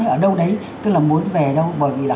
ở đâu đấy tức là muốn về đâu bởi vì là